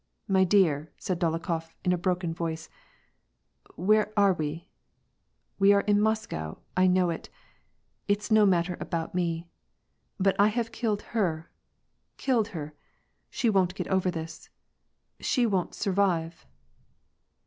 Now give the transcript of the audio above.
My dear," said Dol okhof in a broken voice, " where are we ? We are in Moscow, I know it It's no matter about me, but I have killed her, killed her ; she won^t get over this. She won't survive."